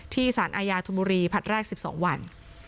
ที่สารอาญาธุบุรีพัดแรก๑๒วัน